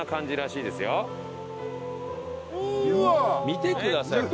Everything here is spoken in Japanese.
見てください。